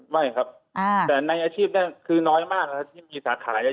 ไม่ครับแต่ในอาชีพนั้นคือน้อยมากที่มีสาขาเยอะ